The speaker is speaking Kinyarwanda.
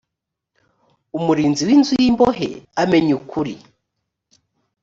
umurinzi w inzu y imbohe amenya ukuri